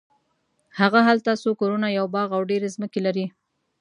هغه هلته څو کورونه یو باغ او ډېرې ځمکې لري.